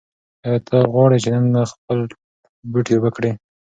ایا ته غواړې چې نن خپل بوټي اوبه کړې؟